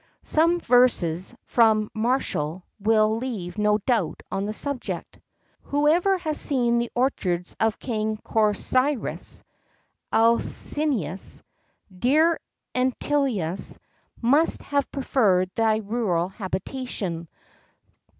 Some verses from Martial will leave no doubt on the subject: "Whoever has seen the orchards of the King of Corcyrus (Alcinous), dear Entellus, must have preferred thy rural habitation.